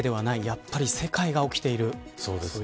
やっぱり世界が起きている。